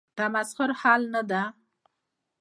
تمسخر حل نه دی.